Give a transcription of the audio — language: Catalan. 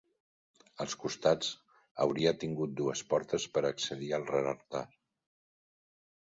Als costats hauria tingut dues portes per accedir al reraltar.